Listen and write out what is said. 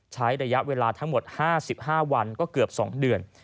ใช้ระยะเวลาทั้งหมด๕๕วันก็เกือบ๒เดือน